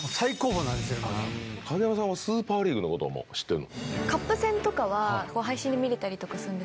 影山さんはスーパーリーグのことも知ってるの？